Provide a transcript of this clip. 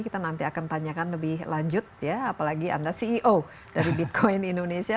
kita nanti akan tanyakan lebih lanjut ya apalagi anda ceo dari bitcoin indonesia